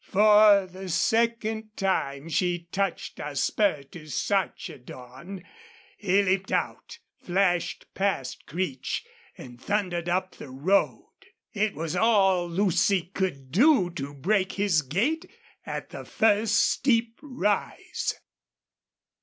For the second time she touched a spur to Sarchedon. He leaped out, flashed past Creech, and thundered up the road. It was all Lucy could do to break his gait at the first steep rise.